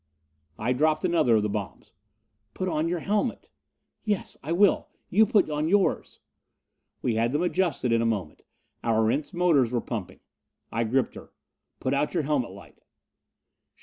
I dropped another of the bombs. "Put on your helmet." "Yes yes, I will. You put on yours." We had them adjusted in a moment. Our Erentz motors were pumping. I gripped her. "Put out your helmet light."